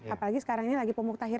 apalagi sekarang ini lagi pemuktahir